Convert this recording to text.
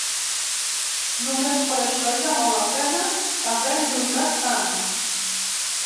Només per això ja val la pena haver lluitat tant.